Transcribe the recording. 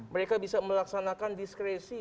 mereka bisa melaksanakan diskresi